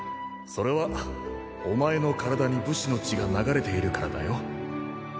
それはお前の体に武士の血が流れているからだよ